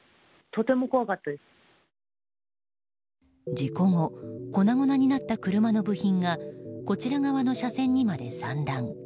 事故後粉々になった車の部品がこちら側の車線にまで散乱。